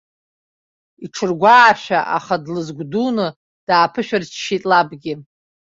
Иҽыргәаашәа, аха длызгәдуны дааԥышәырччеит лабгьы.